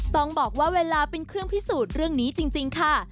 ต้องบอกว่าเวลาเป็นเครื่องพิสูจน์เรื่องนี้จริงค่ะ